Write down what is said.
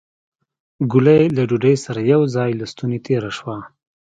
ګولۍ له ډوډۍ سره يو ځای له ستونې تېره شوه.